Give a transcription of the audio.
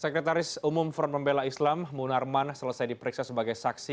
sekretaris umum front pembela islam munarman selesai diperiksa sebagai saksi